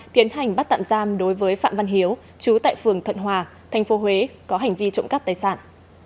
tiến hành bắt tạm giam đối với phạm văn hiếu chú tại phường thuận hòa tp hcm có hành vi trộm cắp tài sản